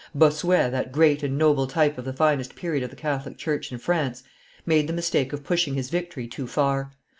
Bossuet, that great and noble type of the finest period of the Catholic church in France, made the mistake of pushing his victory too far.